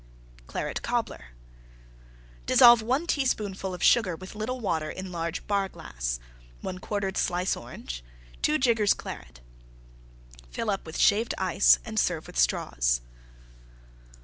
CLARET COBBLER Dissolve one teaspoonful of Sugar with little Water in large Bar glass. 1 quartered slice Orange. 2 jiggers Claret. Fill up with Shaved Ice and serve with Straws.